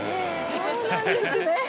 そうなんですね。